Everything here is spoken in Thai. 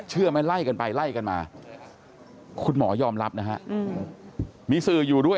เชื่อไหมไล่กันไปไล่กันมาคุณหมอยอมรับนะฮะมีสื่ออยู่ด้วย